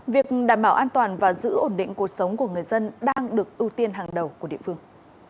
việc đảm bảo an toàn và giữ ổn định cuộc sống của người dân đang được ưu tiên hàng đầu của địa phương